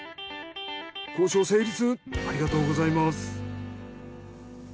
交渉成立ありがとうございます。